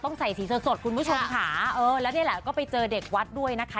ใส่สีสดสดคุณผู้ชมค่ะเออแล้วนี่แหละก็ไปเจอเด็กวัดด้วยนะคะ